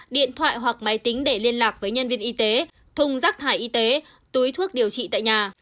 điện thoại hoặc máy tính để liên lạc với nhân viên y tế thùng rác thải y tế túi thuốc điều trị tại nhà